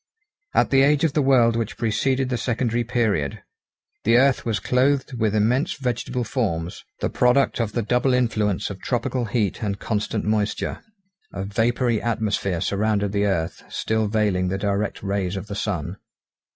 At the age of the world which preceded the secondary period, the earth was clothed with immense vegetable forms, the product of the double influence of tropical heat and constant moisture; a vapoury atmosphere surrounded the earth, still veiling the direct rays of the sun.